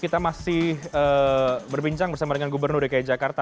kita masih berbincang bersama dengan gubernur dki jakarta